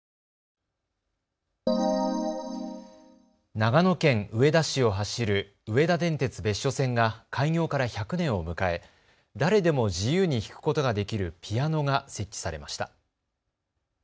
長野県上田市を走る上田電鉄別所線が開業から１００年を迎え誰でも自由に弾くことができるピアノが設置されました。